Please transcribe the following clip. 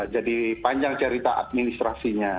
jadi panjang cerita administrasinya